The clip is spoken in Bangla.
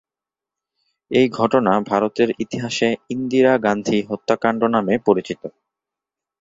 এই ঘটনা ভারতের ইতিহাসে ইন্দিরা গান্ধী হত্যাকাণ্ড নামে পরিচিত।